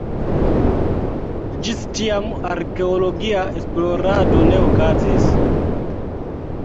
Ĝis tiam arkeologia esplorado ne okazis.